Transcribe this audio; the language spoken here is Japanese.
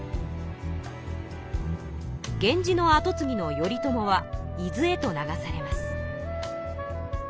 源氏のあとつぎの頼朝は伊豆へと流されます。